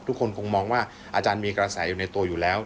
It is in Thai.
คงมองว่าอาจารย์มีกระแสอยู่ในตัวอยู่แล้ว